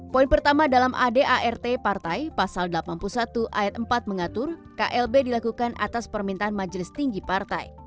poin pertama dalam adart partai pasal delapan puluh satu ayat empat mengatur klb dilakukan atas permintaan majelis tinggi partai